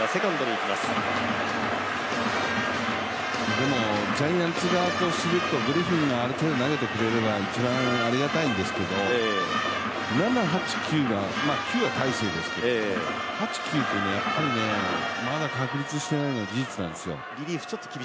でもジャイアンツ側とするとグリフィンがある程度、投げてくれるのが一番ありがたいんですけど、７、８、９が９は大勢ですけど８、９、とまだ確立していないのが事実なんですよ。